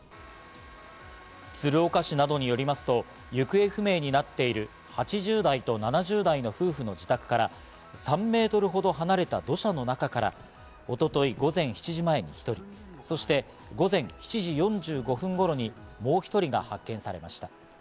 鶴岡市などによりますと、行方不明になっている８０代と７０代の夫婦の自宅から３ｍほど離れた土砂の中から一昨日午前７時前に１人、そして午前７時４５分頃にもう一人が発見されました。